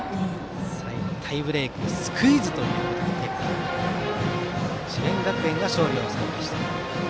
最後、タイブレークでスクイズという結果で智弁学園が勝利を収めました。